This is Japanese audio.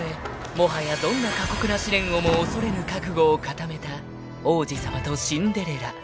もはやどんな過酷な試練をも恐れぬ覚悟を固めた王子様とシンデレラ］